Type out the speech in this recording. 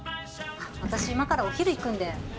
私今からお昼行くんで。